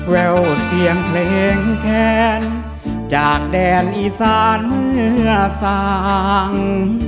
แววเสียงเพลงแค้นจากแดนอีสานเมื่อสาง